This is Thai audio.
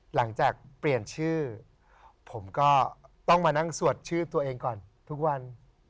หลังจากเปลี่ยนชื่อผมก็ต้องมานั่งสวดชื่อตัวเองก่อนทุกวัน